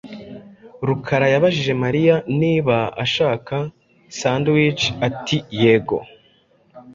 Rukara yabajije Mariya niba ashaka sandwich ati yego.